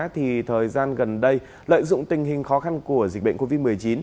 thì thời gian gần đây lợi dụng tình hình khó khăn của dịch bệnh covid một mươi chín